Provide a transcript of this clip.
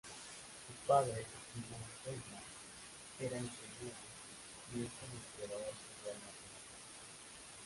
Su padre, Simon Feldman, era ingeniero, y esto lo inspiró a estudiar matemáticas.